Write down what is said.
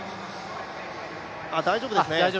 大丈夫ですね。